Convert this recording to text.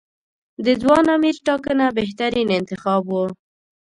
د ځوان امیر ټاکنه بهترین انتخاب و.